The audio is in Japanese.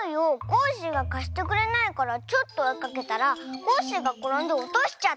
コッシーがかしてくれないからちょっとおいかけたらコッシーがころんでおとしちゃったんでしょ。